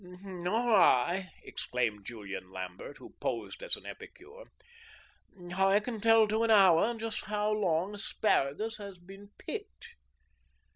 "Nor I," exclaimed Julian Lambert, who posed as an epicure. "I can tell to an hour just how long asparagus has been picked."